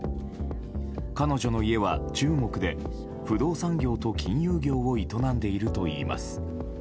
彼女の家は中国で不動産業と金融業を営んでいるといいます。